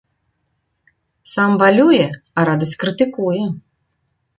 Сам балюе, а радасць крытыкуе.